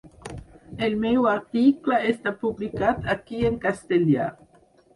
El meu article està publicat aquí en castellà.